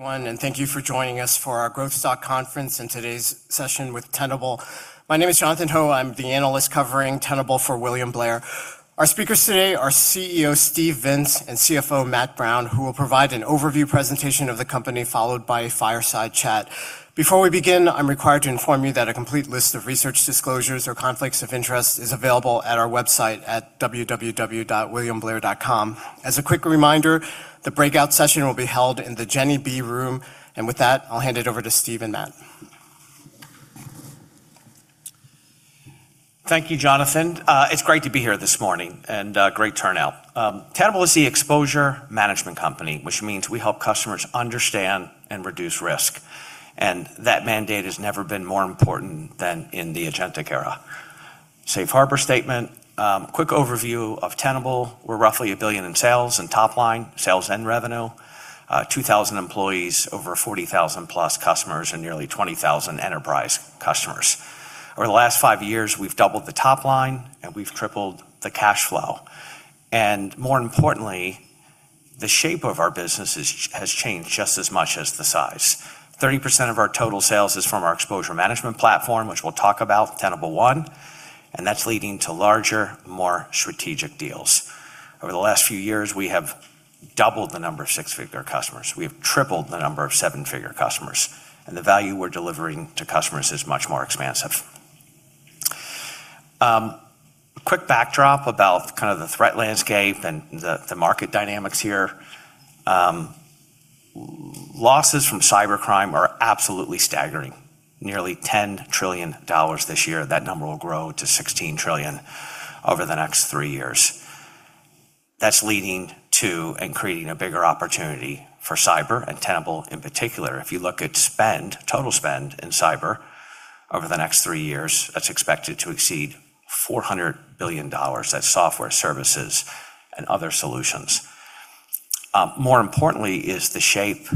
Thank you for joining us for our Growth Stock Conference and today's session with Tenable. My name is Jonathan Ho. I'm the analyst covering Tenable for William Blair. Our speakers today are CEO Steve Vintz and CFO Matt Brown, who will provide an overview presentation of the company, followed by a fireside chat. Before we begin, I'm required to inform you that a complete list of research disclosures or conflicts of interest is available at our website at www.williamblair.com. As a quick reminder, the breakout session will be held in the Jenny B room. With that, I'll hand it over to Steve and Matt. Thank you, Jonathan. It's great to be here this morning, and great turnout. Tenable is the exposure management company, which means we help customers understand and reduce risk. That mandate has never been more important than in the agentic era. Safe harbor statement, quick overview of Tenable. We're roughly $1 billion in sales and top-line sales and revenue. 2,000 employees, over 40,000-plus customers, and nearly 20,000 enterprise customers. Over the last five years, we've doubled the top line, and we've tripled the cash flow. More importantly, the shape of our business has changed just as much as the size. 30% of our total sales is from our exposure management platform, which we'll talk about, Tenable One, and that's leading to larger, more strategic deals. Over the last few years, we have doubled the number of six-figure customers. We've tripled the number of seven-figure customers, and the value we're delivering to customers is much more expansive. Quick backdrop about the threat landscape and the market dynamics here. Losses from cybercrime are absolutely staggering. Nearly $10 trillion this year. That number will grow to $16 trillion over the next three years. That's leading to and creating a bigger opportunity for cyber and Tenable in particular. If you look at spend, total spend in cyber over the next three years, that's expected to exceed $400 billion. That's software services and other solutions. More importantly is the shape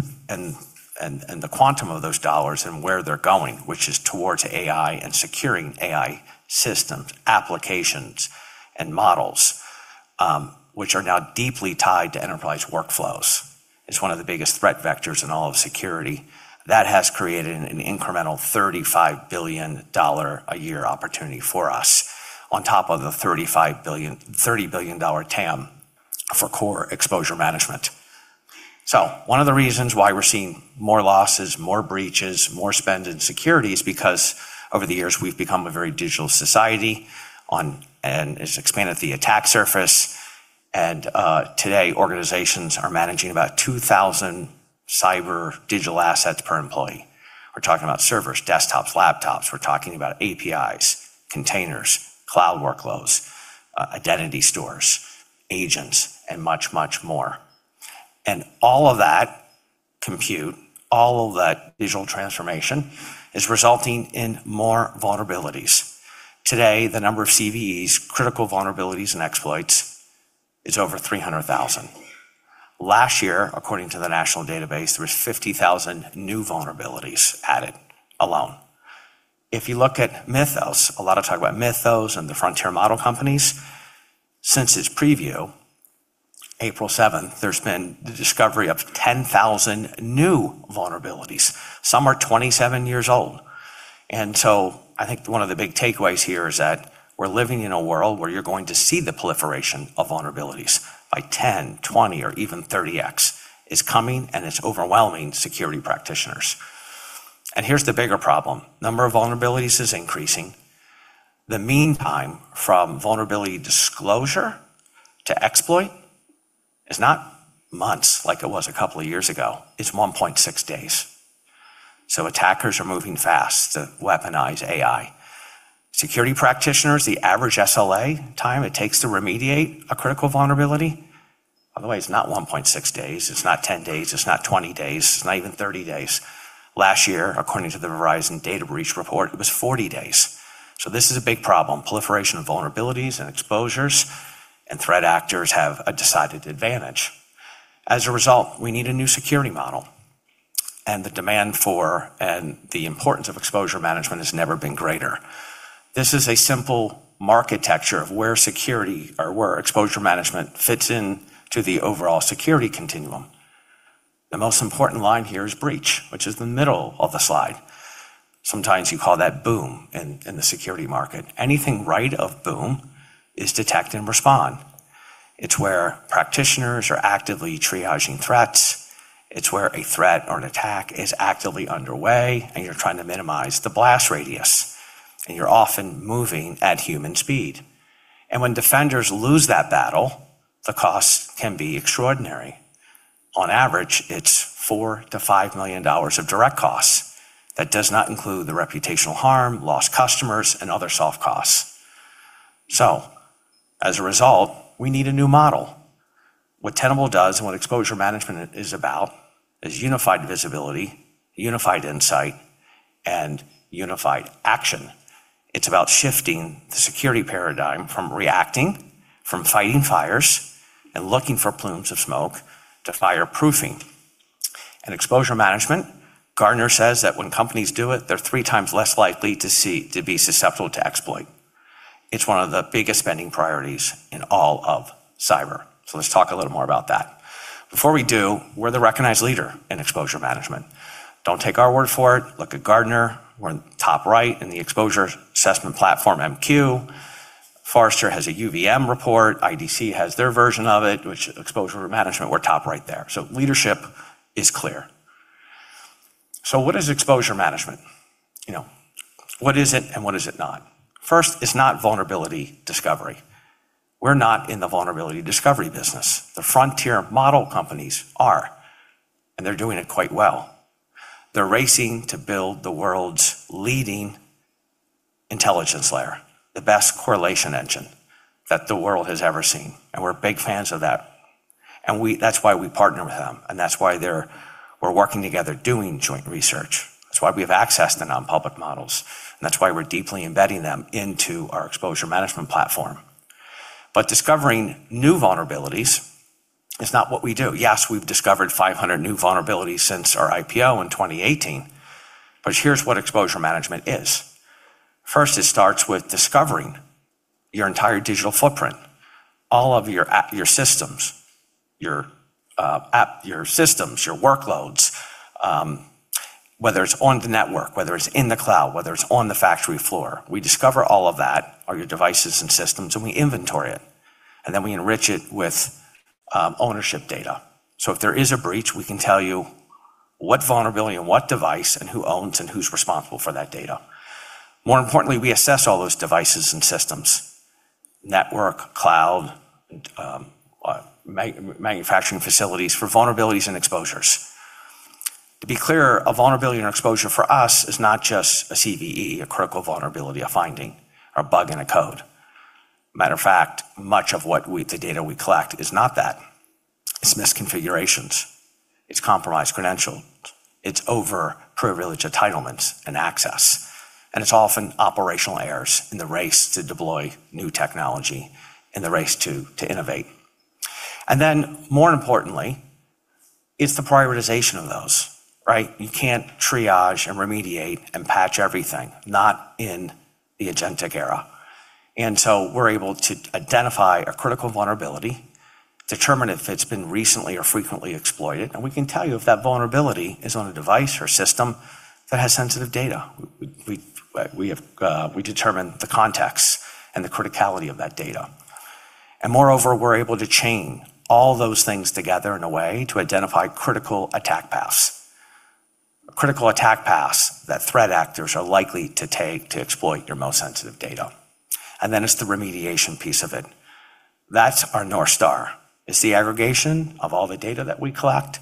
and the quantum of those dollars and where they're going, which is towards AI and securing AI systems, applications, and models, which are now deeply tied to enterprise workflows. It's one of the biggest threat vectors in all of security. That has created an incremental $35 billion a year opportunity for us, on top of the $30 billion TAM for core exposure management. One of the reasons why we're seeing more losses, more breaches, more spend in security is because over the years, we've become a very digital society, and it's expanded the attack surface. Today, organizations are managing about 2,000 cyber digital assets per employee. We're talking about servers, desktops, laptops. We're talking about APIs, containers, cloud workloads, identity stores, agents, and much, much more. All of that compute, all of that digital transformation is resulting in more vulnerabilities. Today, the number of CVEs, critical vulnerabilities and exploits, is over 300,000. Last year, according to the national database, there was 50,000 new vulnerabilities added alone. If you look at Mythos, a lot of talk about Mythos and the frontier model companies. Since its preview, April seventh, there's been the discovery of 10,000 new vulnerabilities. Some are 27 years old. I think one of the big takeaways here is that we're living in a world where you're going to see the proliferation of vulnerabilities by 10, 20, or even 30X. It's coming, and it's overwhelming security practitioners. Here's the bigger problem. Number of vulnerabilities is increasing. The meantime from vulnerability disclosure to exploit is not months like it was a couple of years ago. It's one point six days. Attackers are moving fast to weaponize AI. Security practitioners, the average SLA time it takes to remediate a critical vulnerability, by the way, it's not one point six days, it's not 10 days, it's not 20 days, it's not even 30 days. Last year, according to the Verizon Data Breach Report, it was 40 days. This is a big problem. Proliferation of vulnerabilities and exposures, threat actors have a decided advantage. As a result, we need a new security model, the demand for and the importance of exposure management has never been greater. This is a simple marketecture of where exposure management fits into the overall security continuum. The most important line here is breach, which is the middle of the slide. Sometimes you call that boom in the security market. Anything right of boom is detect and respond. It's where practitioners are actively triaging threats. It's where a threat or an attack is actively underway, and you're trying to minimize the blast radius, and you're often moving at human speed. When defenders lose that battle, the cost can be extraordinary. On average, it's $4 million to $5 million of direct costs. That does not include the reputational harm, lost customers, and other soft costs. As a result, we need a new model. What Tenable does and what exposure management is about is unified visibility, unified insight, and unified action. It's about shifting the security paradigm from reacting, from fighting fires, and looking for plumes of smoke, to fireproofing. Exposure management, Gartner says that when companies do it, they're three times less likely to be susceptible to exploit. It's one of the biggest spending priorities in all of cyber. Let's talk a little more about that. Before we do, we're the recognized leader in exposure management. Don't take our word for it, look at Gartner. We're in the top right in the Exposure Assessment Platform MQ. Forrester has a UVM report. IDC has their version of it, which, Exposure Management, we're top right there. Leadership is clear. What is exposure management? What is it, and what is it not? It's not vulnerability discovery. We're not in the vulnerability discovery business. The frontier model companies are, they're doing it quite well. They're racing to build the world's leading intelligence layer, the best correlation engine that the world has ever seen. We're big fans of that. That's why we partner with them, and that's why we're working together, doing joint research. That's why we have access to non-public models, and that's why we're deeply embedding them into our exposure management platform. Discovering new vulnerabilities is not what we do. Yes, we've discovered 500 new vulnerabilities since our IPO in 2018, but here's what exposure management is. It starts with discovering your entire digital footprint, all of your systems, your workloads, whether it's on the network, whether it's in the cloud, whether it's on the factory floor. We discover all of that, all your devices and systems, and we inventory it, and then we enrich it with ownership data. If there is a breach, we can tell you what vulnerability and what device and who owns and who's responsible for that data. More importantly, we assess all those devices and systems, network, cloud, manufacturing facilities, for vulnerabilities and exposures. To be clear, a vulnerability and exposure for us is not just a CVE, a critical vulnerability, a finding, or a bug in a code. Matter of fact, much of the data we collect is not that. It's misconfigurations. It's compromised credentials. It's over privilege, entitlement, and access. It's often operational errors in the race to deploy new technology, in the race to innovate. More importantly, it's the prioritization of those. You can't triage and remediate and patch everything, not in the agentic era. We're able to identify a critical vulnerability, determine if it's been recently or frequently exploited, and we can tell you if that vulnerability is on a device or system that has sensitive data. We determine the context and the criticality of that data. Moreover, we're able to chain all those things together in a way to identify critical attack paths. Critical attack paths that threat actors are likely to take to exploit your most sensitive data. Then it's the remediation piece of it. That's our North Star. It's the aggregation of all the data that we collect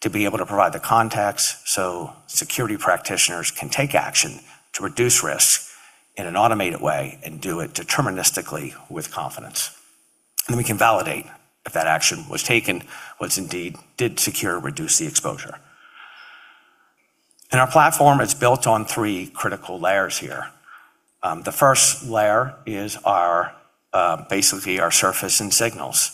to be able to provide the context so security practitioners can take action to reduce risk in an automated way and do it deterministically with confidence. Then we can validate if that action was taken, did indeed secure or reduce the exposure. Our platform is built on three critical layers here. The first layer is basically our surface and signals.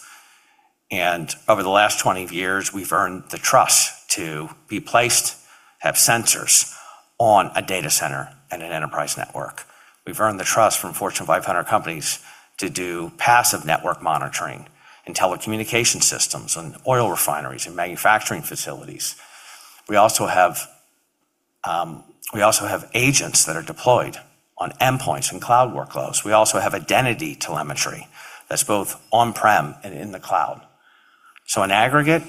Over the last 20 years, we've earned the trust to be placed, have sensors, on a data center and an enterprise network. We've earned the trust from Fortune 500 companies to do passive network monitoring in telecommunication systems and oil refineries and manufacturing facilities. We also have agents that are deployed on endpoints and cloud workloads. We also have identity telemetry that's both on-prem and in the cloud. In aggregate,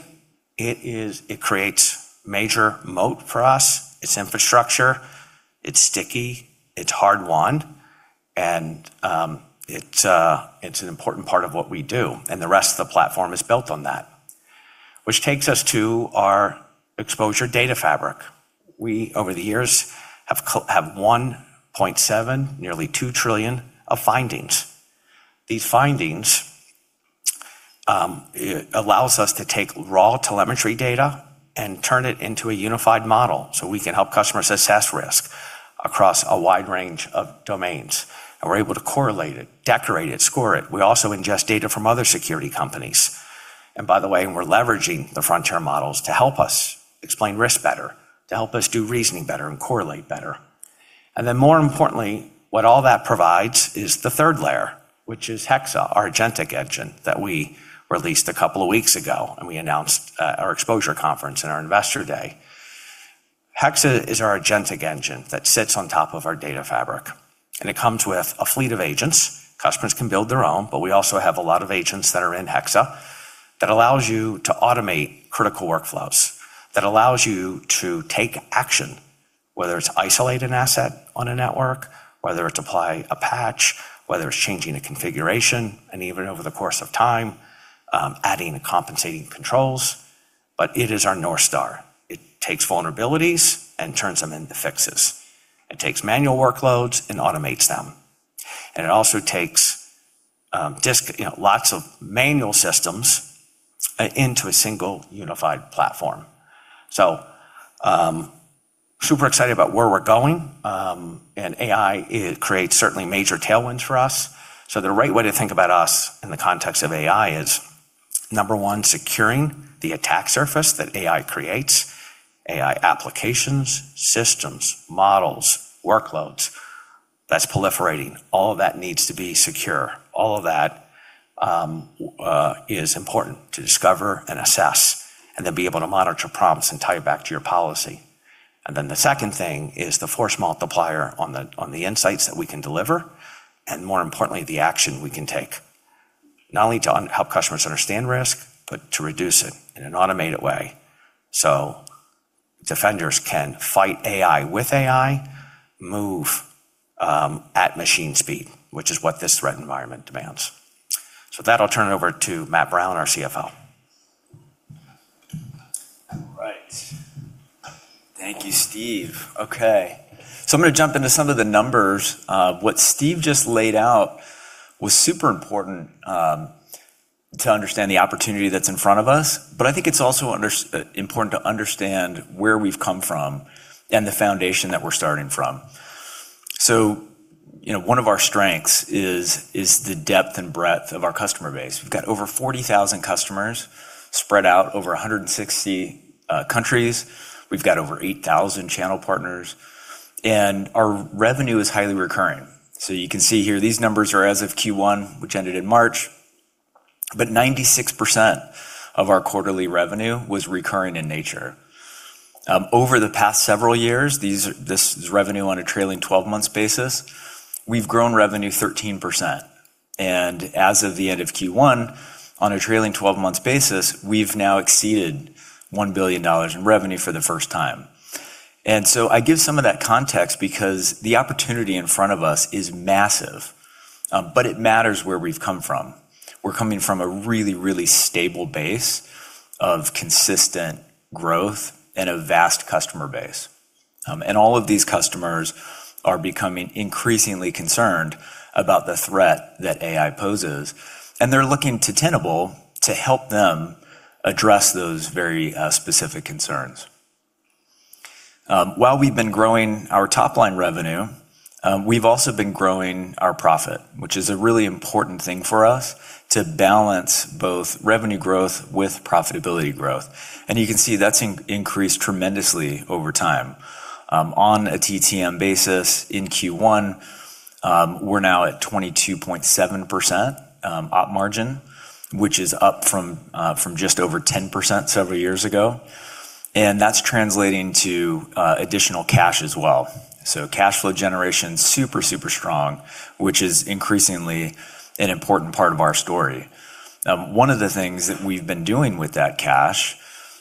it creates major moat for us. It's infrastructure, it's sticky, it's hard won, and it's an important part of what we do, and the rest of the platform is built on that. Which takes us to our Exposure Data Fabric. We, over the years, have one point seven, nearly two trillion of findings. These findings allows us to take raw telemetry data and turn it into a unified model so we can help customers assess risk across a wide range of domains. We're able to correlate it, decorate it, score it. We also ingest data from other security companies. By the way, we're leveraging the frontier models to help us explain risk better, to help us do reasoning better, and correlate better. More importantly, what all that provides is the third layer, which is Hexa, our agentic engine that we released a couple of weeks ago, and we announced at our exposure conference in our investor day. Hexa is our agentic engine that sits on top of our data fabric, and it comes with a fleet of agents. Customers can build their own, but we also have a lot of agents that are in Hexa. That allows you to automate critical workflows, that allows you to take action, whether it's isolate an asset on a network, whether it's apply a patch, whether it's changing a configuration, and even over the course of time, adding and compensating controls. It is our North Star. It takes vulnerabilities and turns them into fixes. It takes manual workloads and automates them. It also takes lots of manual systems into a single unified platform. Super excited about where we're going. AI, it creates certainly major tailwinds for us. The right way to think about us in the context of AI is number one, securing the attack surface that AI creates, AI applications, systems, models, workloads. That's proliferating. All of that needs to be secure. All of that is important to discover and assess, be able to monitor prompts and tie it back to your policy. The second thing is the force multiplier on the insights that we can deliver, and more importantly, the action we can take, not only to help customers understand risk, but to reduce it in an automated way, so defenders can fight AI with AI, move at machine speed, which is what this threat environment demands. With that, I'll turn it over to Matt Brown, our CFO. All right. Thank you, Steve. Okay. I'm going to jump into some of the numbers. What Steve just laid out was super important to understand the opportunity that's in front of us, but I think it's also important to understand where we've come from and the foundation that we're starting from. One of our strengths is the depth and breadth of our customer base. We've got over 40,000 customers spread out over 160 countries. We've got over 8,000 channel partners, and our revenue is highly recurring. You can see here, these numbers are as of Q1, which ended in March, but 96% of our quarterly revenue was recurring in nature. Over the past several years, this is revenue on a trailing 12 months basis, we've grown revenue 13%. As of the end of Q1, on a trailing 12 months basis, we've now exceeded $1 billion in revenue for the first time. I give some of that context because the opportunity in front of us is massive, but it matters where we've come from. We're coming from a really, really stable base of consistent growth and a vast customer base. All of these customers are becoming increasingly concerned about the threat that AI poses, and they're looking to Tenable to help them address those very specific concerns. While we've been growing our top-line revenue, we've also been growing our profit, which is a really important thing for us to balance both revenue growth with profitability growth. You can see that's increased tremendously over time. On a TTM basis in Q1, we're now at 22.7% op margin, which is up from just over 10% several years ago. That's translating to additional cash as well. Cash flow generation's super strong, which is increasingly an important part of our story. One of the things that we've been doing with that cash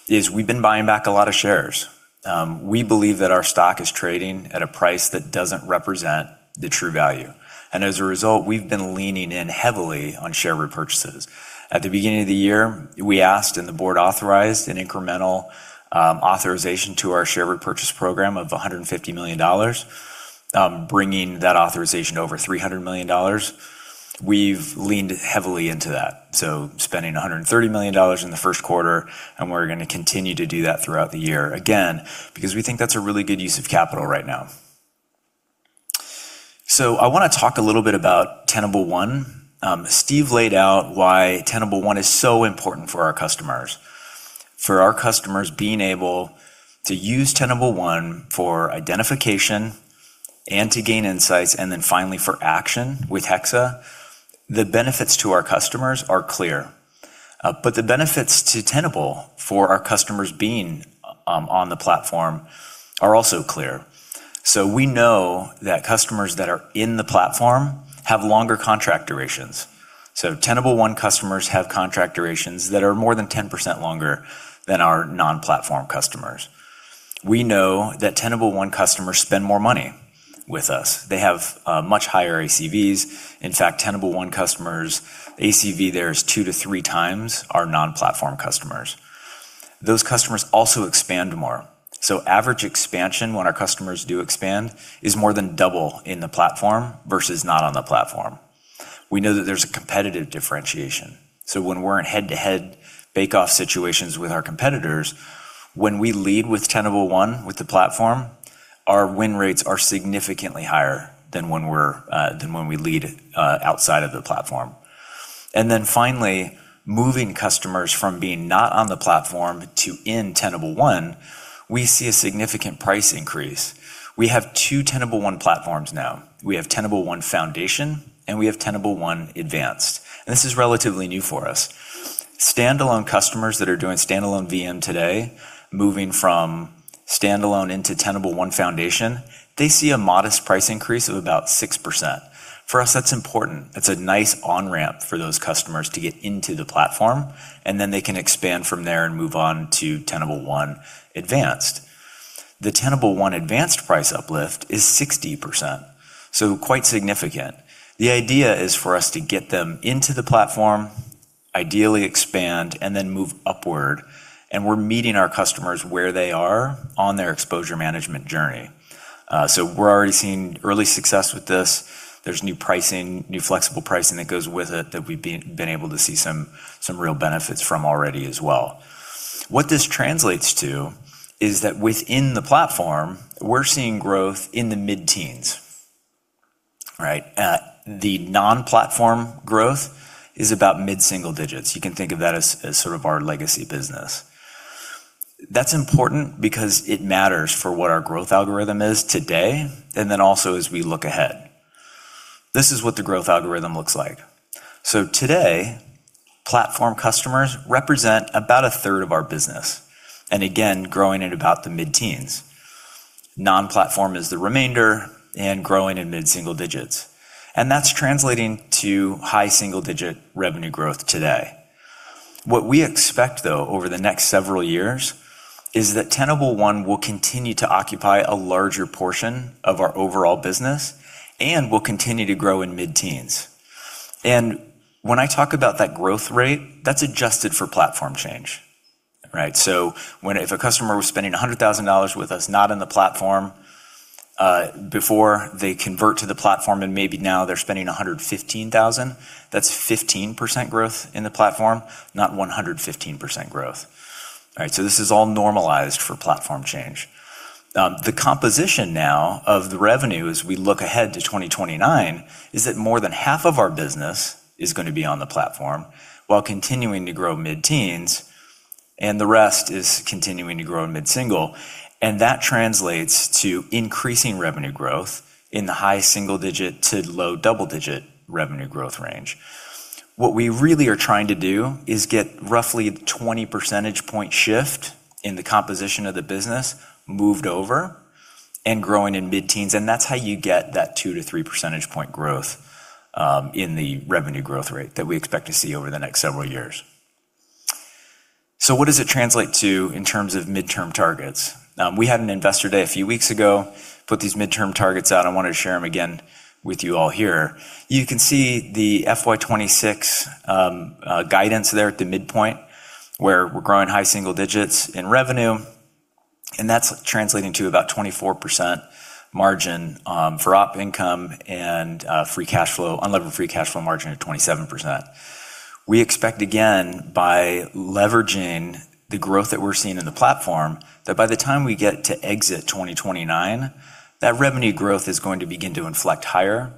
is we've been buying back a lot of shares. We believe that our stock is trading at a price that doesn't represent the true value, and as a result, we've been leaning in heavily on share repurchases. At the beginning of the year, we asked and the board authorized an incremental authorization to our share repurchase program of $150 million, bringing that authorization over $300 million. We've leaned heavily into that, spending $130 million in the first quarter, and we're going to continue to do that throughout the year, again, because we think that's a really good use of capital right now. I want to talk a little bit about Tenable One. Steve laid out why Tenable One is so important for our customers. For our customers being able to use Tenable One for identification and to gain insights, and then finally for action with Hexa, the benefits to our customers are clear. The benefits to Tenable for our customers being on the platform are also clear. We know that customers that are in the platform have longer contract durations. Tenable One customers have contract durations that are more than 10% longer than our non-platform customers. We know that Tenable One customers spend more money with us. They have much higher ACVs. In fact, Tenable One customers, ACV there is two to three times our non-platform customers. Those customers also expand more. Average expansion, when our customers do expand, is more than double in the platform versus not on the platform. We know that there's a competitive differentiation. When we're in head-to-head bake-off situations with our competitors, when we lead with Tenable One with the platform, our win rates are significantly higher than when we lead outside of the platform. Finally, moving customers from being not on the platform to in Tenable One, we see a significant price increase. We have two Tenable One platforms now. We have Tenable One Foundation and we have Tenable One Advanced, and this is relatively new for us. Standalone customers that are doing standalone VM today, moving from standalone into Tenable One Foundation, they see a modest price increase of about six percent. For us, that's important. That's a nice on-ramp for those customers to get into the platform, and then they can expand from there and move on to Tenable One Advanced. The Tenable One Advanced price uplift is 60%, so quite significant. The idea is for us to get them into the platform, ideally expand, and then move upward, and we're meeting our customers where they are on their exposure management journey. We're already seeing early success with this. There's new pricing, new flexible pricing that goes with it that we've been able to see some real benefits from already as well. What this translates to is that within the platform, we're seeing growth in the mid-teens. All right. The non-platform growth is about mid-single digits. You can think of that as sort of our legacy business. That's important because it matters for what our growth algorithm is today, and then also as we look ahead. This is what the growth algorithm looks like. Today, platform customers represent about a third of our business, and again, growing at about the mid-teens. Non-platform is the remainder, and growing in mid-single digits. That's translating to high single-digit revenue growth today. What we expect, though, over the next several years, is that Tenable One will continue to occupy a larger portion of our overall business and will continue to grow in mid-teens. When I talk about that growth rate, that's adjusted for platform change. Right? If a customer was spending $100,000 with us not in the platform before they convert to the platform, and maybe now they're spending $115,000, that's 15% growth in the platform, not 115% growth. All right? This is all normalized for platform change. The composition now of the revenue as we look ahead to 2029 is that more than half of our business is going to be on the platform while continuing to grow mid-teens, and the rest is continuing to grow in mid-single. That translates to increasing revenue growth in the high single digit to low double digit revenue growth range. What we really are trying to do is get roughly a 20 percentage point shift in the composition of the business moved over and growing in mid-teens, and that's how you get that two to three percentage point growth in the revenue growth rate that we expect to see over the next several years. What does it translate to in terms of midterm targets? We had an investor day a few weeks ago, put these midterm targets out. I wanted to share them again with you all here. You can see the FY 2026 guidance there at the midpoint, where we're growing high single digits in revenue, and that's translating to about 24% margin for op income and unleveled free cash flow margin at 27%. We expect again, by leveraging the growth that we're seeing in the platform, that by the time we get to exit 2029, that revenue growth is going to begin to inflect higher.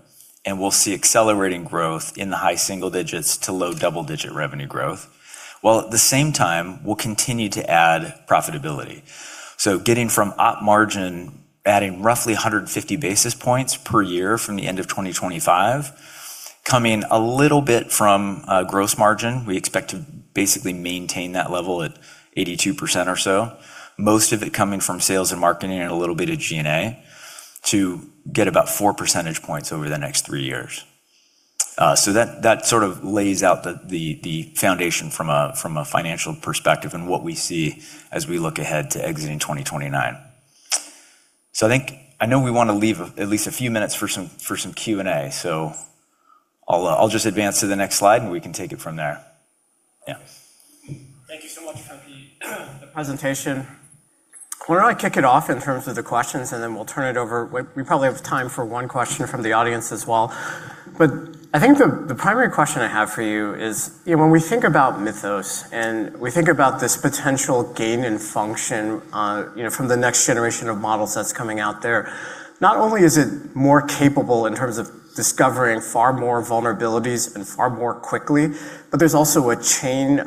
We'll see accelerating growth in the high single digits to low double digit revenue growth, while at the same time, we'll continue to add profitability. Getting from op margin, adding roughly 150 basis points per year from the end of 2025, coming a little bit from gross margin. We expect to basically maintain that level at 82% or so, most of it coming from sales and marketing and a little bit of G&A to get about four percentage points over the next three years. That sort of lays out the foundation from a financial perspective and what we see as we look ahead to exiting 2029. I know we want to leave at least a few minutes for some Q&A, so I'll just advance to the next slide and we can take it from there. Yeah. Thank you so much for the presentation. Why don't I kick it off in terms of the questions, and then we'll turn it over. We probably have time for one question from the audience as well. I think the primary question I have for you is, when we think about Mythos and we think about this potential gain in function from the next generation of models that's coming out there, not only is it more capable in terms of discovering far more vulnerabilities and far more quickly, but there's also a chain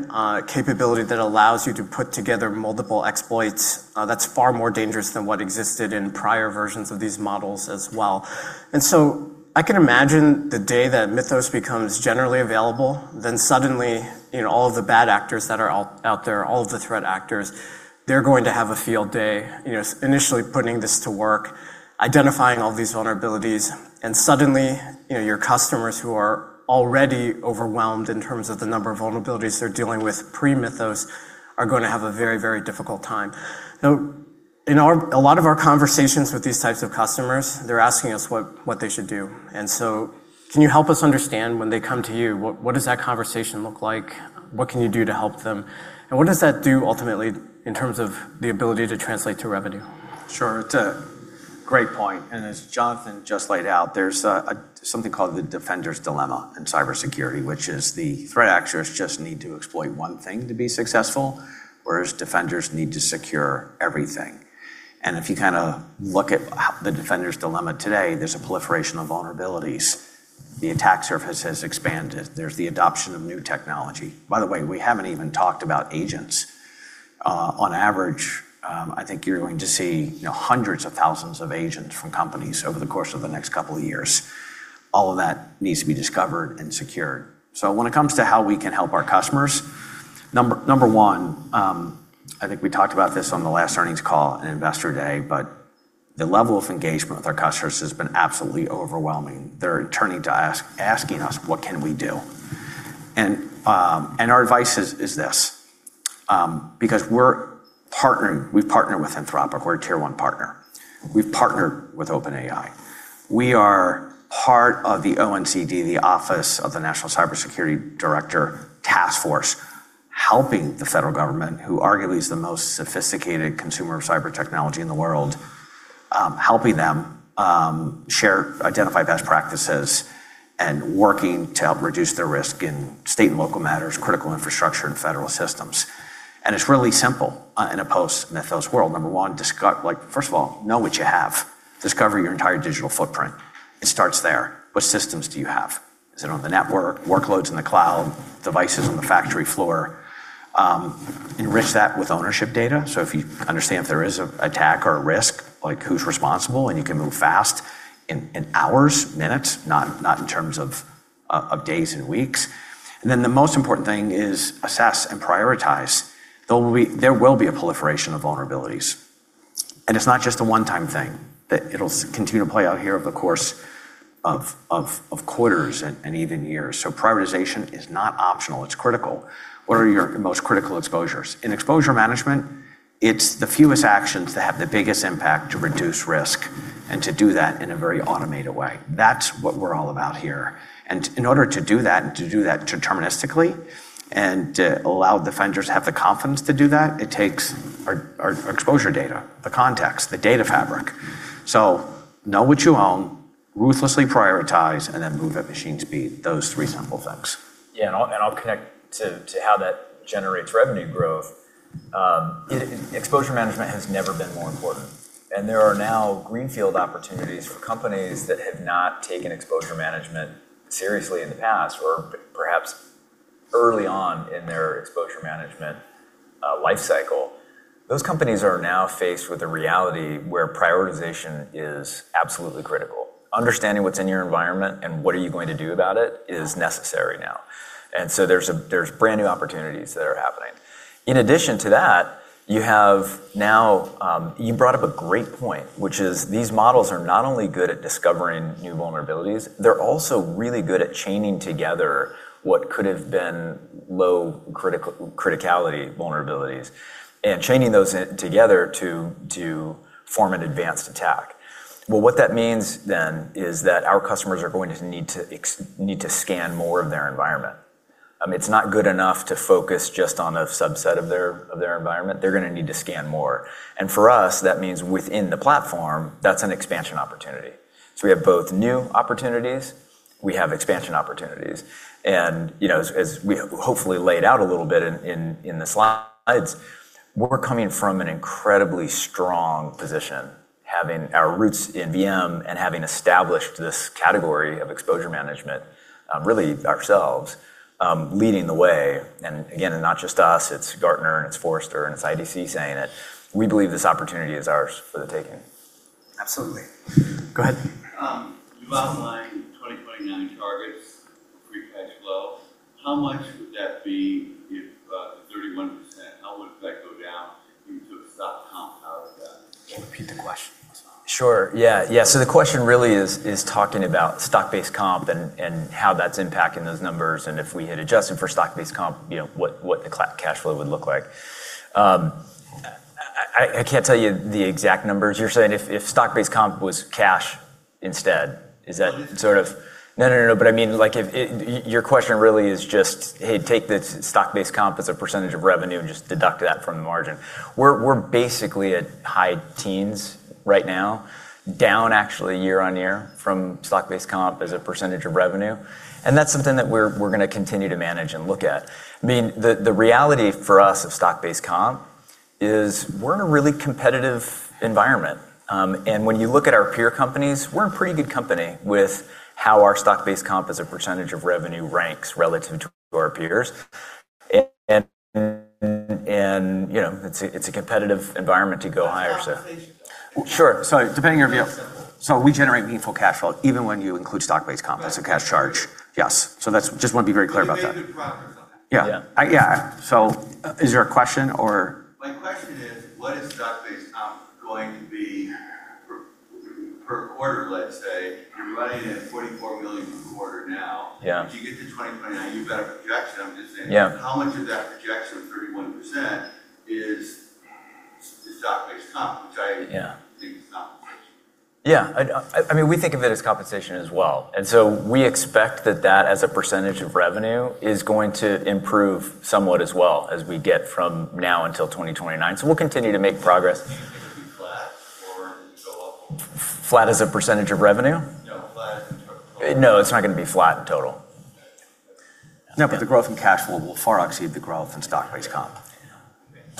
capability that allows you to put together multiple exploits that's far more dangerous than what existed in prior versions of these models as well. I can imagine the day that Mythos becomes generally available, then suddenly, all of the bad actors that are out there, all of the threat actors, they're going to have a field day initially putting this to work, identifying all these vulnerabilities, and suddenly, your customers who are already overwhelmed in terms of the number of vulnerabilities they're dealing with pre-Mythos are going to have a very difficult time. Now, in a lot of our conversations with these types of customers, they're asking us what they should do. Can you help us understand when they come to you, what does that conversation look like? What can you do to help them, and what does that do ultimately in terms of the ability to translate to revenue? Sure. It's a great point, and as Jonathan just laid out, there's something called the defender's dilemma in cybersecurity, which is the threat actors just need to exploit one thing to be successful, whereas defenders need to secure everything. If you look at the defender's dilemma today, there's a proliferation of vulnerabilities. The attack surface has expanded. There's the adoption of new technology. By the way, we haven't even talked about agents. On average, I think you're going to see hundreds of thousands of agents from companies over the course of the next couple of years. All of that needs to be discovered and secured. When it comes to how we can help our customers, number one, I think we talked about this on the last earnings call at Investor Day, but the level of engagement with our customers has been absolutely overwhelming. They're turning to asking us, "What can we do?" Our advice is this: Because we've partnered with Anthropic. We're a tier 1 partner. We've partnered with OpenAI. We are part of the ONCD, the Office of the National Cyber Director Task Force, helping the federal government, who arguably is the most sophisticated consumer of cyber technology in the world, helping them identify best practices Working to help reduce their risk in state and local matters, critical infrastructure, and federal systems. It's really simple in a post-Mythos world. Number one, first of all, know what you have. Discover your entire digital footprint. It starts there. What systems do you have? Is it on the network, workloads in the cloud, devices on the factory floor? Enrich that with ownership data, so if you understand there is an attack or a risk, like who's responsible, and you can move fast in hours, minutes, not in terms of days and weeks. The most important thing is assess and prioritize. There will be a proliferation of vulnerabilities. It's not just a one-time thing. It'll continue to play out here over the course of quarters and even years. Prioritization is not optional. It's critical. What are your most critical exposures? In exposure management, it's the fewest actions that have the biggest impact to reduce risk and to do that in a very automated way. That's what we're all about here. In order to do that, and to do that deterministically and to allow defenders to have the confidence to do that, it takes our exposure data, the context, the Data Fabric. Know what you own, ruthlessly prioritize, and then move at machine speed, those three simple things. I'll connect to how that generates revenue growth. Exposure management has never been more important, and there are now greenfield opportunities for companies that have not taken exposure management seriously in the past, or perhaps early on in their exposure management life cycle. Those companies are now faced with a reality where prioritization is absolutely critical. Understanding what's in your environment and what are you going to do about it is necessary now. There's brand-new opportunities that are happening. In addition to that, you brought up a great point, which is these models are not only good at discovering new vulnerabilities, they're also really good at chaining together what could've been low criticality vulnerabilities and chaining those together to form an advanced attack. Well, what that means then is that our customers are going to need to scan more of their environment. It's not good enough to focus just on a subset of their environment. They're going to need to scan more. For us, that means within the platform, that's an expansion opportunity. We have both new opportunities, we have expansion opportunities, and as we hopefully laid out a little bit in the slides, we're coming from an incredibly strong position, having our roots in VM and having established this category of exposure management, really ourselves, leading the way. Again, not just us, it's Gartner and it's Forrester and it's IDC saying it. We believe this opportunity is ours for the taking. Absolutely. Go ahead. You've outlined 2029 targets for free cash flow. How much would that be if, 31%, how would that go down if you include stock comp out of that? Can you take the question? Sure. Yeah. The question really is talking about stock-based comp and how that's impacting those numbers and if we had adjusted for stock-based comp, what the cash flow would look like. I can't tell you the exact numbers. You're saying if stock-based comp was cash instead, is that sort of? Your question really is just, hey, take the stock-based comp as a percentage of revenue and just deduct that from the margin. We're basically at high teens right now, down actually year-on-year from stock-based comp as a percentage of revenue, and that's something that we're going to continue to manage and look at. The reality for us of stock-based comp is we're in a really competitive environment, and when you look at our peer companies, we're in pretty good company with how our stock-based comp as a percentage of revenue ranks relative to our peers. It's a competitive environment to go higher. Sure. Sorry. Depending on your view. We generate meaningful cash flow even when you include stock-based comp as a cash charge. Yes. I just want to be very clear about that. Yeah. Yeah. Is there a question or? My question is, what is stock-based comp going to be per quarter, let's say? You're running at $44 million per quarter now. If you get to 2029, you've got a projection, I'm just saying. Yeah. How much of that projection of 31% is stock-based comp? Yeah think is compensation. Yeah. We think of it as compensation as well. We expect that as a percentage of revenue is going to improve somewhat as well as we get from now until 2029. We'll continue to make progress. Do you think it'll be flat or show up? Flat as a % of revenue? No, flat as in total. No, it's not going to be flat in total. The growth in cash flow will far exceed the growth in stock-based comp.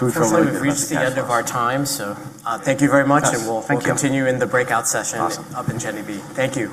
We feel really good about the cash flow. Folks, I think we've reached the end of our time, so thank you very much- Yes. Thank you We'll continue in the breakout session. Awesome up in Jenny B. Thank you